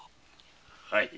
はい。